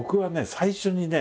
最初にね